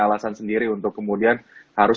alasan sendiri untuk kemudian harus